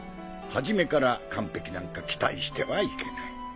初めから完璧なんか期待してはいけない。